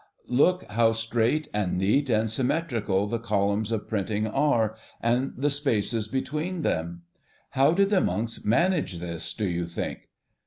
Look how straight and neat and symmetrical the columns of printing are, and the spaces between them. How did the monks manage this, do you think?